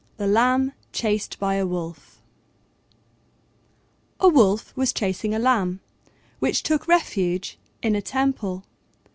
THE LAMB CHASED BY A WOLF A Wolf was chasing a Lamb, which took refuge in a temple.